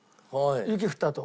雪降ったあと。